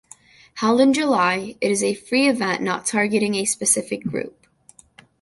Held in July, it is a free event not targeting a specific group.